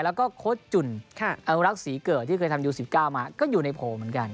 แล้วก็โค้ดจุ่นอนุรักษ์ศรีเกิดที่เคยทำยู๑๙มาก็อยู่ในโผล่เหมือนกัน